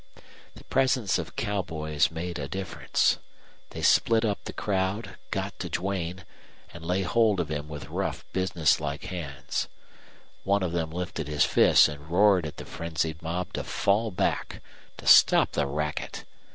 The presence of cowboys made a difference. They split up the crowd, got to Duane, and lay hold of him with rough, businesslike hands. One of them lifted his fists and roared at the frenzied mob to fall back, to stop the racket.